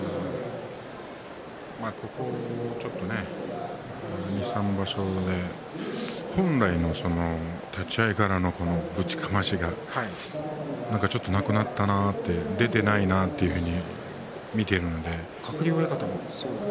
ここちょっと２、３場所で本来の立ち合いからのぶちかましがちょっとなくなったな出ていないなというふうに見ているので。